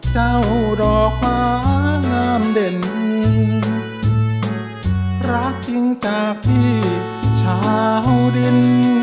ดอกฟ้างามเด่นรักจริงจากพี่ชาวดิน